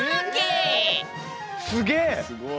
すげえ。